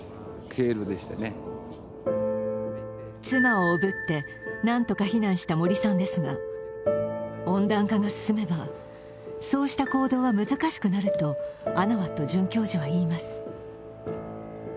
妻をおぶってなんとか避難した森さんですが、温暖化が進めば、そうした行動は難しくなるとアナワット准教授は言います。